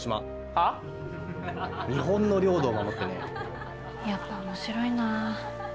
ハハハ日本の領土を守ってねやっぱ面白いなあ